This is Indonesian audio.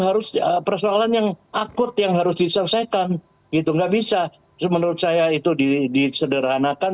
harus persoalan yang akut yang harus diselesaikan gitu nggak bisa menurut saya itu disederhanakan